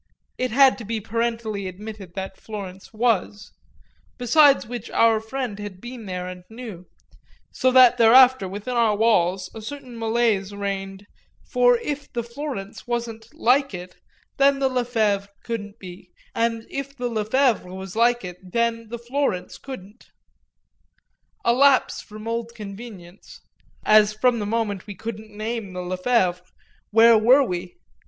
It had to be parentally admitted that Florence was besides which our friend had been there and knew; so that thereafter, within our walls, a certain malaise reigned, for if the Florence was "like it" then the Lefèvre couldn't be, and if the Lefèvre was like it then the Florence couldn't: a lapse from old convenience as from the moment we couldn't name the Lefèvre where were we?